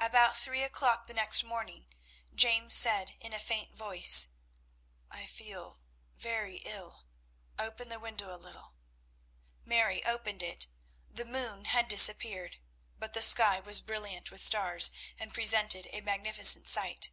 About three o'clock the next morning James said, in a faint voice, "I feel very ill. Open the window a little." Mary opened it. The moon had disappeared, but the sky was brilliant with stars, and presented a magnificent sight.